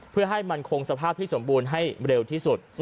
เพื่อให้มันคงสภาพที่สมบูรณ์ให้เร็วที่สุด